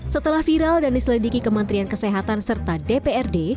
setelah viral dan diselidiki kementerian kesehatan serta dprd